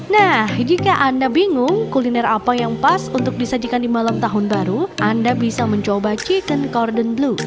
nah jika anda bingung kuliner apa yang pas untuk disajikan di malam tahun baru anda bisa mencoba chicken corden blue